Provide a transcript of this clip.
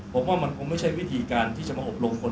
ผมว่ามันคงไม่ใช่วิธีการที่จะมาอบรมคน